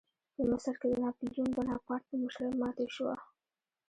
په مصر کې د ناپلیون بناپارټ په مشرۍ ماتې شوه.